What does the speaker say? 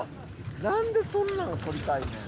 なんでそんなんを撮りたいねん？